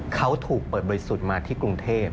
เขาถูกเปิดบริสุทธิ์มาที่กรุงเทพ